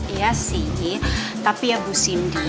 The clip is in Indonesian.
iya sih tapi ya bu cindy